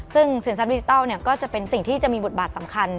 ซึ่งสินทรัพดิจิทัลก็จะเป็นสิ่งที่จะมีบทบาทสำคัญ